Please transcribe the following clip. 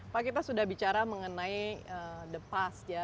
pak kita sudah bicara mengenai the past ya